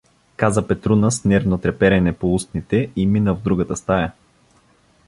Каза Петруна с нервно треперене по устните и мина в другата стая.